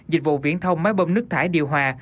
dịch vụ viễn thông máy bơm nước thải điều hòa